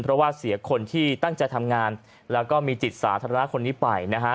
เพราะว่าเสียคนที่ตั้งใจทำงานแล้วก็มีจิตสาธารณะคนนี้ไปนะฮะ